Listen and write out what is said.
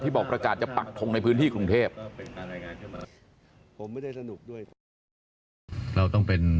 ที่บอกประกาศจะปรักฏงในพื้นที่กรุงเทพฯ